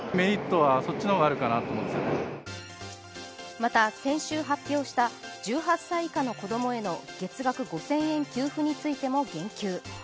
また、先週発表した１８歳以下の子供への月額５０００円給付についても言及。